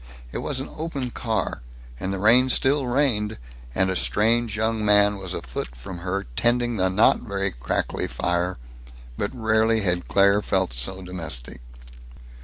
It was an open car, and the rain still rained, and a strange young man was a foot from her tending the not very crackly fire, but rarely had Claire felt so domestic.